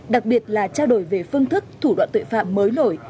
đặc biệt là trao đổi về phương thức thủ đoạn tội phạm mới nổi